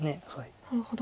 なるほど。